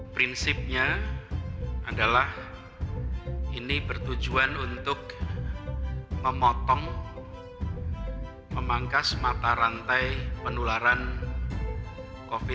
prinsipnya adalah ini bertujuan untuk memotong memangkas mata rantai penularan covid sembilan belas